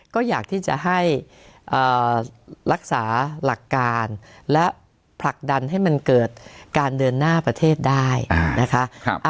ก็อยากที่จะให้รักษาหลักการและผลักดันให้มันเกิดการเดินหน้าประเทศได้นะคะ